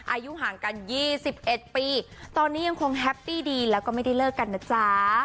อายุห่างกัน๒๑ปีตอนนี้ยังคงแฮปปี้ดีแล้วก็ไม่ได้เลิกกันนะจ๊ะ